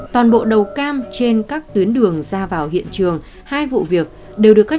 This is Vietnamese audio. toàn bộ đầu cam trên các tuyến đường ra vào hiện trường hai vụ việc đều được các